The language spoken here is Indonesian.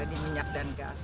di minyak dan gas